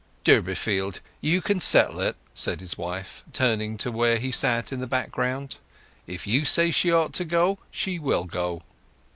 "Durbeyfield, you can settle it," said his wife, turning to where he sat in the background. "If you say she ought to go, she will go."